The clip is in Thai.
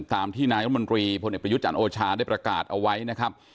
ตามที่นายรัฐมนตรีพลเอกประยุทธ์จันทร์โอชาได้ประกาศเอาไว้นะครับ